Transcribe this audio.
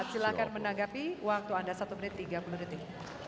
silahkan menanggapi waktu anda satu menit tiga puluh detik